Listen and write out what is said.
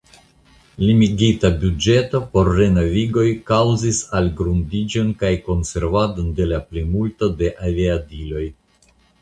Limigita buĝeto por renovigoj kaŭzis algrundiĝon kaj konservadon de la plimulto de aviadiloj.